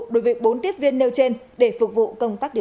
đối với bốn tiếp viên nêu trên để phục vụ công ty